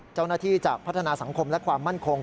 เจ้าหน้าที่จากพัฒนาสังคมและความมั่นคง